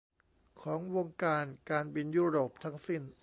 ของวงการการบินยุโรปทั้งสิ้น